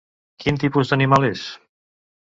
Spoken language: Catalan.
Quin tipus d'animal és?